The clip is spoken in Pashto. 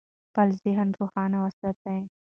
خپل ذهن روښانه وساتئ.